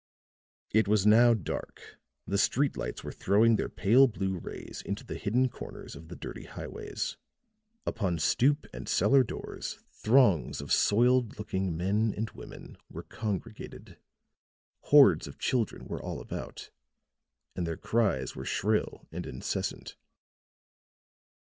It was now dark; the street lights were throwing their pale blue rays into the hidden corners of the dirty highways; upon stoop and cellar doors, throngs of soiled looking men and women were congregated; hordes of children were all about, and their cries were shrill and incessant.